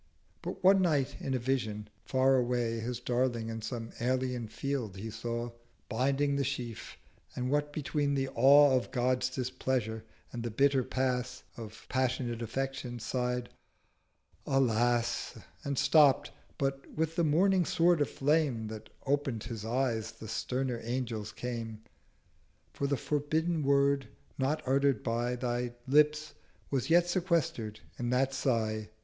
But one Night in a Vision, far away His darling in some alien Field he saw Binding the Sheaf; and what between the Awe Of God's Displeasure and the bitter Pass 530 Of passionate Affection, sigh'd 'Alas—' And stopp'd—But with the morning Sword of Flame That oped his Eyes the sterner Angel's came 'For the forbidden Word not utter'd by Thy Lips was yet sequester'd in that Sigh.'